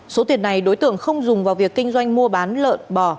số tiền này đối tượng không dùng vào việc kinh doanh mua bán lợn bò